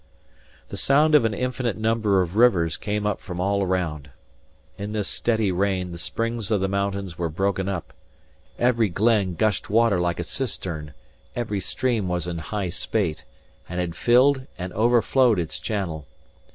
The sound of an infinite number of rivers came up from all round. In this steady rain the springs of the mountain were broken up; every glen gushed water like a cistern; every stream was in high spate, and had filled and overflowed its channel.